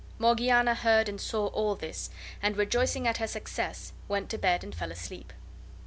Morgiana heard and saw all this, and, rejoicing at her success, went to bed and fell asleep.